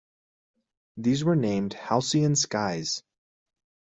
These were named "Halcyon Skies".